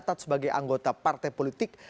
dan juga sebagai anggota partai politik